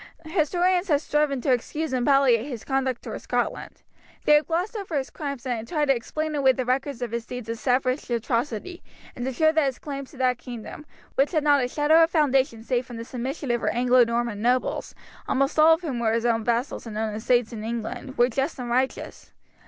Historians have striven to excuse and palliate his conduct toward Scotland. They have glossed over his crimes and tried to explain away the records of his deeds of savage atrocity, and to show that his claims to that kingdom, which had not a shadow of foundation save from the submission of her Anglo Norman nobles, almost all of whom were his own vassals and owned estates in England, were just and righteous.